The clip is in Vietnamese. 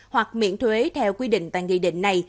hoặc miễn thuế theo quy định tại nghị định này